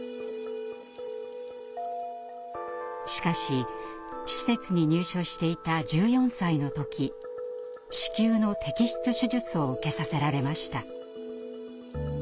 しかし施設に入所していた１４歳の時子宮の摘出手術を受けさせられました。